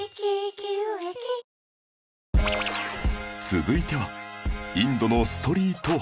続いては